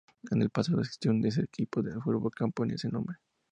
En el pasado existió ese equipo de fútbol campo con ese nombre.